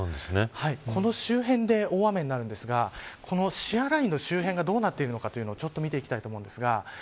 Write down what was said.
この周辺で大雨になるんですがこのシアーラインの周辺がどうなってるかというのをちょっと見ていきたいと思います。